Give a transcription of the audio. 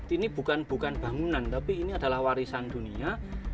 ini bukan bangunan tapi ini adalah warisan dunia